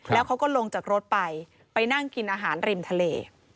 แล้วเขาก็ลงจากรถไปไปนั่งกินอาหารริมทะเล